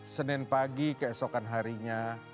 senin pagi keesokan harinya